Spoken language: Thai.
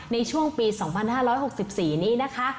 ในช่วงปี๒๕๖๔นี้นะคะ